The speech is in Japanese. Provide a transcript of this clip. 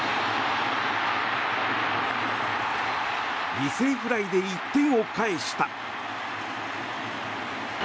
犠牲フライで１点を返した。